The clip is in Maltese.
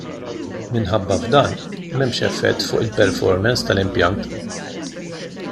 Minħabba f'dan m'hemmx effett fuq il-performance tal-impjant.